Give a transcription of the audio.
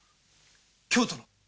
京都の？